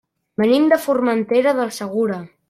Venim de Formentera del Segura.